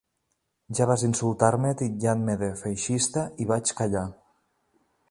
Ja vas insultar-me titllant-me de feixista i vaig callar.